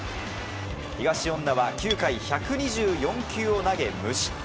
東恩納は９回１２４球を投げ無失点。